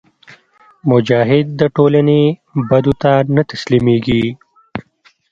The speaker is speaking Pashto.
مجاهد د ټولنې بدو ته نه تسلیمیږي.